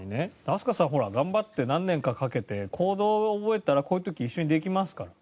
飛鳥さん頑張って何年かかけてコードを覚えたらこういう時一緒にできますから。